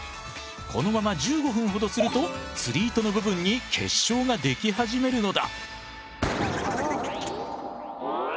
このまま１５分ほどすると釣り糸の部分に結晶が出来始めるのだ。